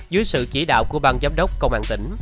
dưới sự chỉ đạo của bang giám đốc công an tỉnh